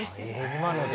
今ので？